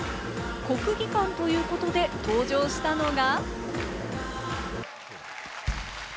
国技館ということで登場したのが。